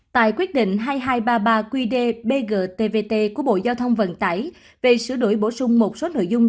tại quyết định hai nghìn hai trăm ba mươi ba qdbgtvt của bộ giao thông vận tải về sửa đổi bổ sung một số nội dung